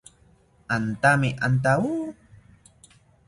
Antami antawo